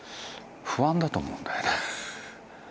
不安だと思うんだよね。